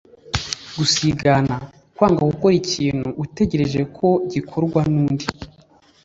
gusigana : kwanga gukora ikintu utegereje ko gikorwa n’undi